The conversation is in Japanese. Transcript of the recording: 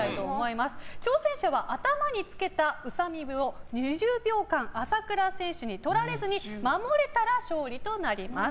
挑戦者は頭につけたウサ耳を２０秒間朝倉選手にとられずに守れたら勝利となります。